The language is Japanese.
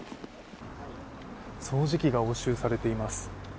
掃除機が押収されています。